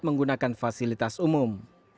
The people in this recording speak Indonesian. menggunakan fasilitas umum